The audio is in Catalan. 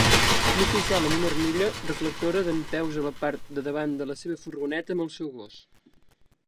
Un oficial amb una armilla reflectora dempeus a la part de davant de la seva furgoneta amb el seu gos